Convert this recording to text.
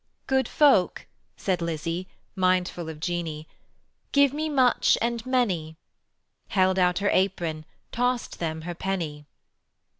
"Good folk," said Lizzie, Mindful of Jeanie, "Give me much and many"; Held out her apron, Tossed them her penny.